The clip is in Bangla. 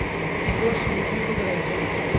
কিকো, সে বিজ্ঞান ক্রুদের একজন।